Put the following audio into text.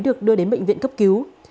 được đưa đến bệnh viện cấp cứu